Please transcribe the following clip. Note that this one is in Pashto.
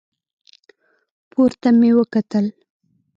پورته مې وکتل.